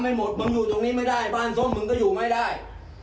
หมดมึงอยู่ตรงนี้ไม่ได้บ้านส้มมึงก็อยู่ไม่ได้